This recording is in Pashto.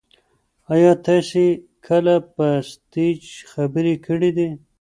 ایا تاسي کله په سټیج خبرې کړي دي؟